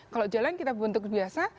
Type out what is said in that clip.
kalau jalan kita bentuk biasa